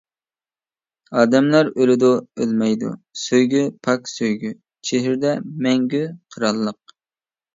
ئادەملەر ئۆلىدۇ، ئۆلمەيدۇ سۆيگۈ، پاك سۆيگۈ چېھرىدە مەڭگۈ قىرانلىق.